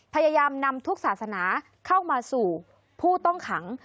พยายามนำทุกศาสนาเข้ามาสู่ผู้ต้องขัง